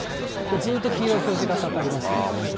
ずっと黄色い表示がかかります。